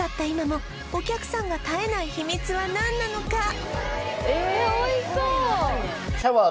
今もお客さんが絶えない秘密は何なのか？